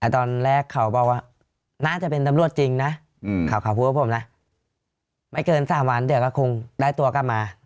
ตอนแรกเขาบอกว่าน่าจะเป็นตำรวจจริงนะเขาพูดกับผมนะไม่เกิน๓วันเดี๋ยวก็คงได้ตัวกลับมา